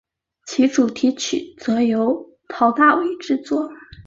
其主题曲则由陶大伟创作。